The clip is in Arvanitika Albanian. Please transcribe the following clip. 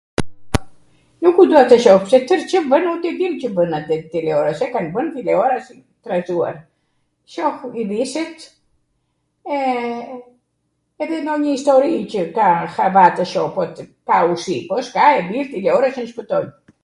nuku dua te shoh se twr Cw bwn din Cw bwn tileorasi, e kan bwr tileorasin ... trazuar. Shoh idhisit, e, edhe nonjw istori qw ka hava tw shoh po tw... ka usi, po s'ka e mbill tileorasin, shpwtoj